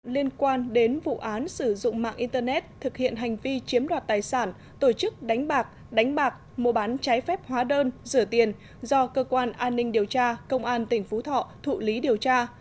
liên quan đến vụ án sử dụng mạng internet thực hiện hành vi chiếm đoạt tài sản tổ chức đánh bạc đánh bạc mua bán trái phép hóa đơn rửa tiền do cơ quan an ninh điều tra công an tỉnh phú thọ thụ lý điều tra